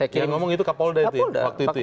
dia ngomong itu pak kapolda waktu itu ya